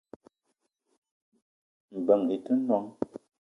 Mbeng i te noong